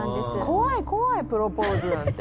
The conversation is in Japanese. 怖い怖いプロポーズなんて。